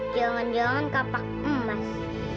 jalan jalan kapak emas